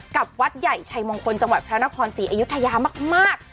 วัดใหญ่ชัยมงคลจังหวัดพระนครศรีอยุธยามาก